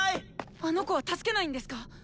あの子は助けないんですか？